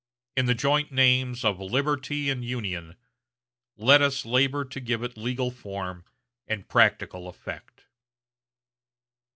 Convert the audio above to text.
In the joint names of Liberty and Union, let us labor to give it legal form and practical effect."